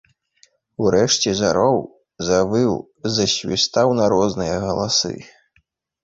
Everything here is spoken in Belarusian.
Урэшце зароў, завыў, засвістаў на розныя галасы.